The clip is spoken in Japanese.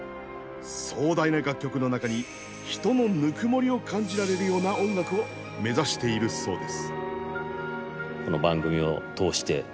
壮大な楽曲の中に人のぬくもりを感じられるような音楽を目指しているそうです。